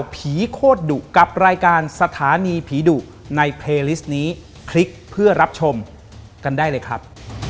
โปรดติดตามตอนต่อไป